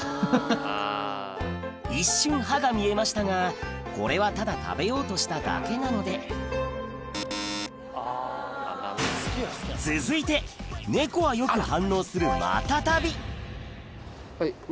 一瞬歯が見えましたがこれはただ食べようとしただけなので続いてネコはよく反応するはい